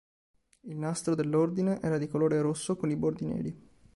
Il nastro dell'Ordine era di colore rosso con i bordi neri.